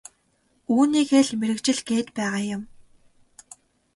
Үүнийгээ л мэргэжил гээд байгаа юм.